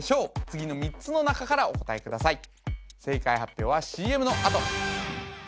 次の３つの中からお答えください